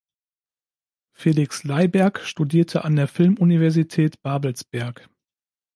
Felix Leiberg studierte an der Filmuniversität Babelsberg.